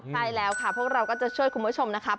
ใช่แล้วค่ะพวกเราก็จะช่วยคุณผู้ชมนะครับ